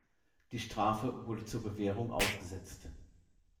Die Strafe wurde zur Bewährung ausgesetzt.